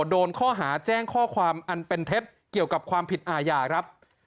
โดนข้อหาแจ้งข้อความอันเป็นเท็จเกี่ยวกับความผิดอาญาครับ